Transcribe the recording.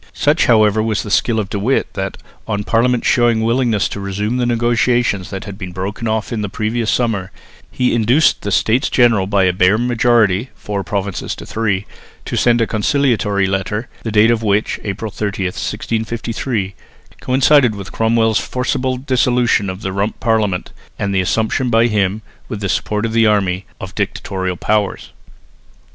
Such however was the skill of De Witt that, on Parliament showing a willingness to resume the negotiations that had been broken off in the previous summer, he induced the States General by a bare majority (four provinces to three) to send a conciliatory letter, the date of which (April 30, 1653) coincided with Cromwell's forcible dissolution of the Rump Parliament and the assumption by him, with the support of the army, of dictatorial powers.